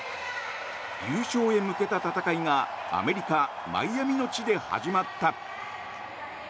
優勝へ向けた戦いがアメリカ・マイアミの地で始まった。